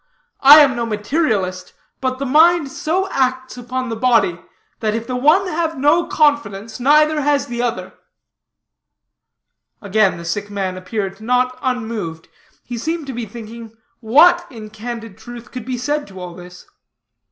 I am no materialist; but the mind so acts upon the body, that if the one have no confidence, neither has the other." Again, the sick man appeared not unmoved. He seemed to be thinking what in candid truth could be said to all this.